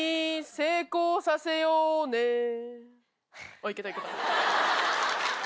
あっいけたいけた。